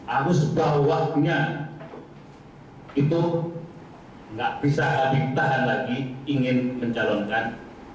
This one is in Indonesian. agus bawahnya itu gak bisa lagi tahan lagi ingin mencalonkan